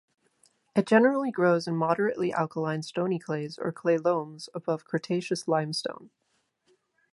It generally grows in moderately alkaline stony clays or clay loams above Cretaceous limestone.